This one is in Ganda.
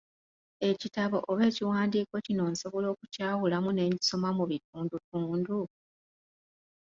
Ekitabo oba ekiwandiiko kino nsobola okukyawulamu ne nkisoma mu bitundutundu?